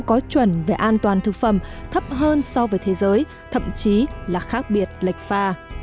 có chuẩn về an toàn thực phẩm thấp hơn so với thế giới thậm chí là khác biệt lệch pha